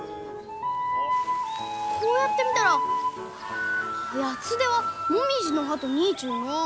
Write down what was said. こうやって見たらヤツデはモミジの葉と似ちゅうのう！